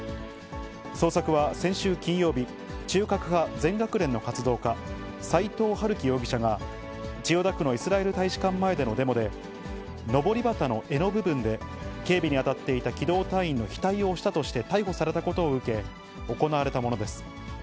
捜索は先週金曜日、中核派全学連の活動家、斎藤晴輝容疑者が、千代田区のイスラエル大使館前でのデモで、のぼり旗の柄の部分で警備に当たっていた機動隊員の額を押したとして逮捕されたことを受け行われたものです。